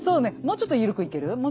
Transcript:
もうちょっとゆるくいける？